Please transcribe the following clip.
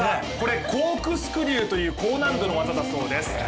コークスクリューという高難度の技だそうです。